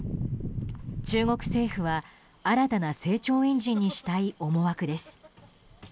中国政府は新たな成長エンジンにしたい思惑です。